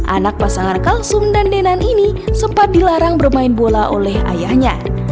anak pasangan kalsum dan denan ini sempat dilarang bermain bola oleh ayahnya